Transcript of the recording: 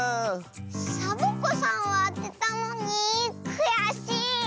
サボ子さんはあてたのにくやしい。